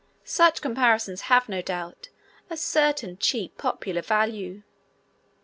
Such comparisons have, no doubt, a certain cheap popular value.